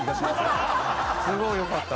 すごいよかった。